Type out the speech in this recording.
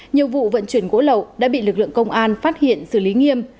nhiều vụ vận chuyển gỗ lậu đã bị lực lượng công an phát hiện xử lý nghiêm